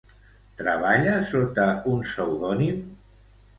Treballa sota un pseudònim?